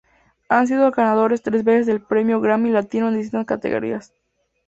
Han sido ganadores tres veces del Premio Grammy Latino en distintas categorías.